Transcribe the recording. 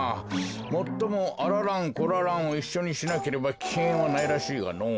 もっともあら蘭こら蘭をいっしょにしなければきけんはないらしいがのぉ。